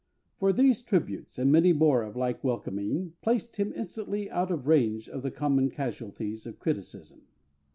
For these tributes, and many more of like welcoming, placed him instantly out of range of the common casualties of criticism."